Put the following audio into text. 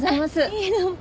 いいえどうも。